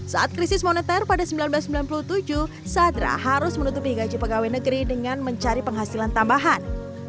saat krisis moneter pada seribu sembilan ratus sembilan puluh tujuh sadra harus menutupi gaji pegawai negeri dengan mencari penghasilan tambahan